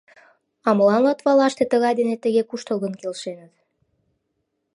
А молан Латвалаште тыгай дене тыге куштылгын келшеныт?